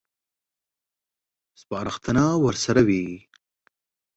سپارښتنه ورسره وي.